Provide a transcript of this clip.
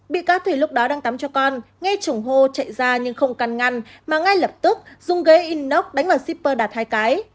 bị cáo thủy lúc đó đang tắm cho con nghe trùng hô chạy ra nhưng không căn ngăn mà ngay lập tức dùng ghế inox đánh vào shipper đạt hai cái